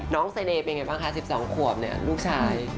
น้องเสน่ห์เป็นยังไงบ้างคะ๑๒ขวบเนี่ยลูกชาย